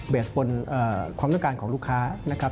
เบสบนความต้นการของลูกค้า